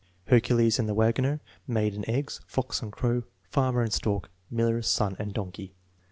Hercules and Wagoner; Maid and Eggs; Fox and Crow; Farmer and Stork; Miller, Son, and Donkey.